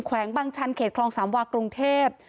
วงบางชันเขตคลองสามวากรุงเทพ